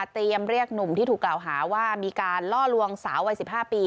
เตรียมเรียกหนุ่มที่ถูกกล่าวหาว่ามีการล่อลวงสาววัยสิบห้าปี